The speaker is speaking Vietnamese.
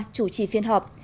chủ trì phiên họp